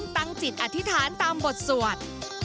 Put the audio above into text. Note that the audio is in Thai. ตั้งจิตอธิษฐานตามบทสวด